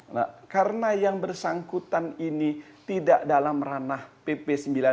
nah karena yang bersangkutan ini tidak dalam ranah pp sembilan puluh sembilan